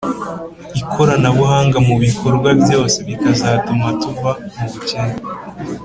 Ikoranabuhanga mu bikorwa byose bikazatuma tuva mu bukene